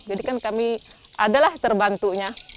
jadi kan kami adalah terbantunya